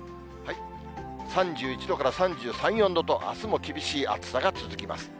３１度から３３、４度と、あすも厳しい暑さが続きます。